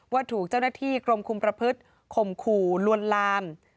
ว่าถูกเจ้าหน้าที่กรมคุมประพฤติข่มขู่ลวนลาม